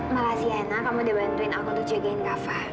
malah sienna kamu udah bantuin aku untuk jagain kava